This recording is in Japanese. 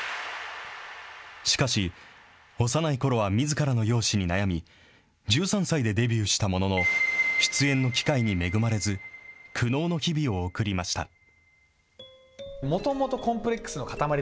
しかし、幼いころはみずからの容姿に悩み、１３歳でデビューしたものの、出演の機会に恵まれず、苦悩の日々を送りました。